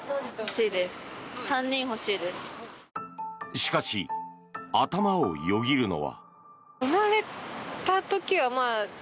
しかし、頭をよぎるのは。